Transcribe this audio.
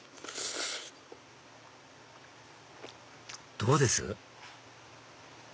どうです？